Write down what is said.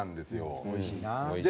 おいしいな。